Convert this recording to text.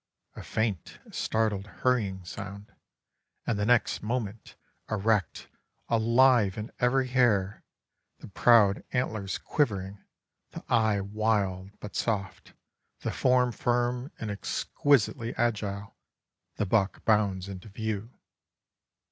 A faint, startled, hurrying sound; and the next moment, erect, alive in every hair, the proud antlers quivering, the eye wild but soft, the form firm and exquisitely agile, the buck bounds into view.